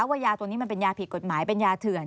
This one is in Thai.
ว่ายาตัวนี้มันเป็นยาผิดกฎหมายเป็นยาเถื่อน